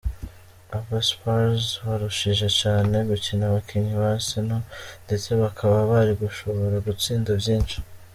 Aba Spurs barushije cane gukina abakinyi ba Arsenal, ndetse bakaba bari gushobora gutsinda vyinshi.